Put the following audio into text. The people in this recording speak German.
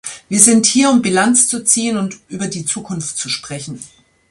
Wir sind hier, um Bilanz zu ziehen und über die Zukunft zu sprechen.